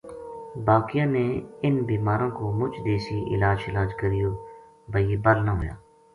باقیاں نے اِنھ بیماراں کو مُچ دیسی علاج شلاج کریو با یہ بَل نہ ہویا